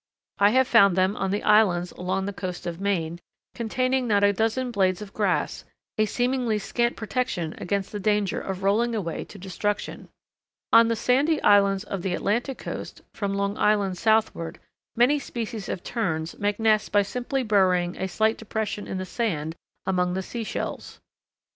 I have found them on the islands along the coast of Maine containing not a dozen blades of grass, a seemingly scant protection against the danger of rolling away to destruction. On the sandy islands of the Atlantic Coast, from Long Island southward, many species of Terns make nests by simply burrowing a slight depression in the sand among the sea shells.